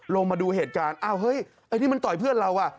ลงมาดูเหตุการณ์อ้าวเฮ้ยไอ้นี่มันต่อยเพื่อนเราอ่ะ